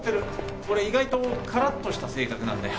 俺意外とカラッとした性格なんだよ。